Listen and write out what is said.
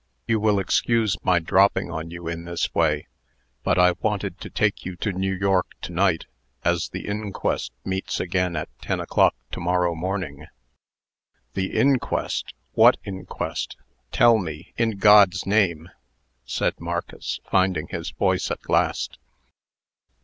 You will excuse my dropping on you in this way; but I wanted to take you to New York to night, as the inquest meets again at ten o'clock to morrow morning." "The inquest! what inquest? Tell me, in God's name!" said Marcus, finding his voice at last.